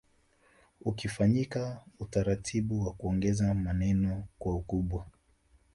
Ukafanyika utaratibu wa kuongeza maeneo kwa ukubwa